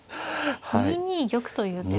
２二玉という手が。